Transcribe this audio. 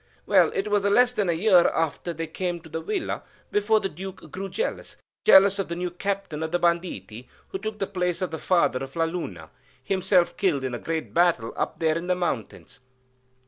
Well, it was less than a year after they came to the villa before the Duke grew jealous,—jealous of the new captain of the banditti who took the place of the father of La Luna, himself killed in a great battle up there in the mountains.